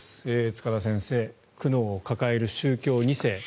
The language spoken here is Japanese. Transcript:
塚田先生、苦悩を抱える宗教２世